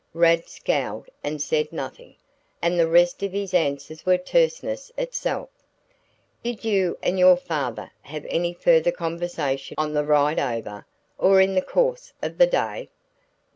Rad scowled and said nothing, and the rest of his answers were terseness itself. "Did you and your father have any further conversation on the ride over, or in the course of the day?"